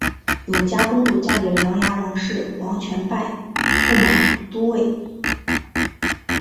永嘉公主嫁给了琅琊王氏王铨拜驸马都尉。